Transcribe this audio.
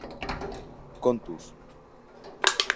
Kontuz